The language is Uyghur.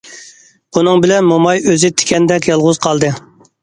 بۇنىڭ بىلەن موماي ئۆزى تىكەندەك يالغۇز قالدى.